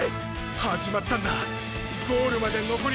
始まったんだゴールまでのこり